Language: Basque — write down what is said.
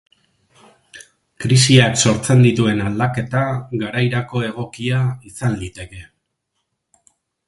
Krisiak sortzen dituen aldaketa garairako egokia izan liteke.